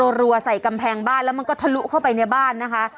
ส่วนแม่ของนายชาตย์เองนะคะ